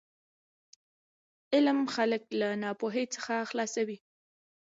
علم خلک له ناپوهي څخه خلاصوي.